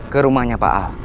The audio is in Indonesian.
ke rumahnya pak al